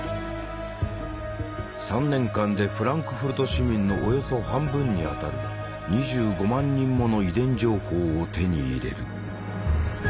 ３年間でフランクフルト市民のおよそ半分にあたる２５万人もの遺伝情報を手に入れる。